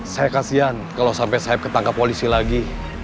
saya kasian kalau sampai saya ketangkap polisi lagi